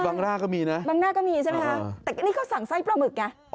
หน้าก็มีนะบางหน้าก็มีใช่ไหมคะแต่นี่เขาสั่งไส้ปลาหมึกไง